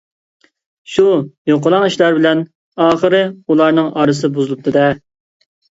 شۇ يوقىلاڭ ئىشلار بىلەن ئاخىرى ئۇلارنىڭ ئارىسى بۇزۇلۇپتۇ-دە.